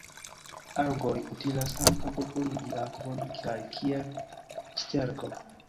Algoj utilas ankaŭ por purigi akvon kaj kiel sterko.